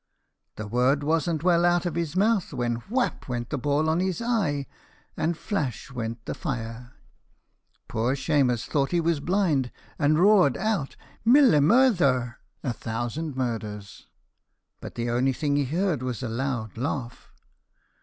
The word wasn't well out of his mouth when whap went the ball on his eye, and flash went the fire. Poor Shemus thought he was blind, and roared out, 'Mille murdher!' but the only thing he heard was a loud laugh.